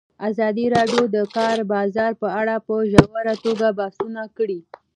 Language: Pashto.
ازادي راډیو د د کار بازار په اړه په ژوره توګه بحثونه کړي.